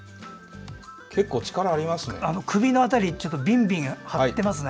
結構、力ありますね。